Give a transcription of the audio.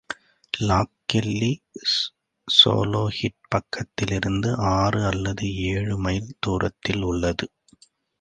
லாகெல்லி, ஸோலோஹெட்பக்கிலிருந்து ஆறு அல்லது ஏழுமைல் துரத்திலுள்ளது.